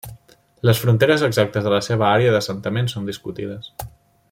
Les fronteres exactes de la seva àrea d'assentament són discutides.